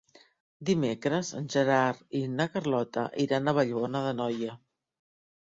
Dimecres en Gerard i na Carlota iran a Vallbona d'Anoia.